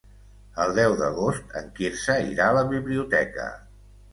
El deu d'agost en Quirze irà a la biblioteca.